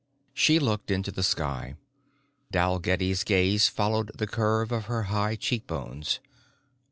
he looked into the sky. Dalgetty's gaze followed the curve of her high cheekbones.